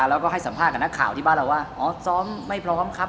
แล้วก็ให้สัมภาษณ์กับนักข่าวที่บ้านเราว่าอ๋อซ้อมไม่พร้อมครับ